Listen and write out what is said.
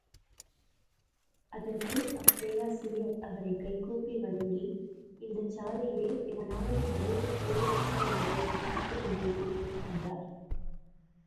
அதற்கு அப்பேராசிரியர் அவரைக் கைகூப்பி வணங்கி, இந்தச் சாலையிலே எவனாவது மனிதன் போகிறானா? என்பதைப் பார்த்துக்கொண்டிருக்கிறேன், என்றார்.